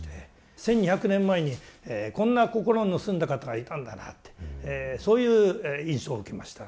１２００年前にこんな心の澄んだ方がいたんだなってそういう印象を受けました。